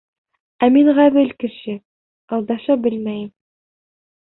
Ә мин ғәҙел кеше, алдаша белмәйем.